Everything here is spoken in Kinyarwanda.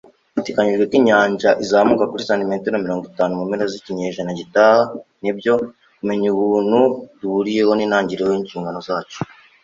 biteganijwe ko inyanja izamuka kuri santimetero mirongo itanu mu mpera z'ikinyejana gitaha. nibyo, kumenya ubumuntu duhuriyeho nintangiriro yinshingano zacu